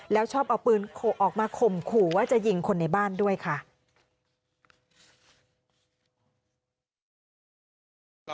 แล้วชอบเอาปืนออกมาข่มขู่ว่าจะยิงคนในบ้านด้วยค่ะ